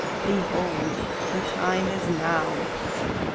Behold, The time is now!